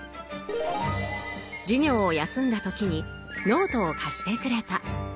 授業を休んだ時にノートを貸してくれた。